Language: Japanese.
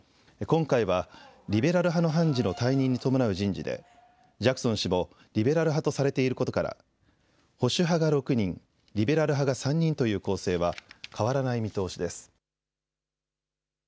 今回はリベラル派の判事の退任に伴う人事でジャクソン氏もリベラル派とされていることから保守派が６人、リベラル派が３人という構成は変わらない見通しです。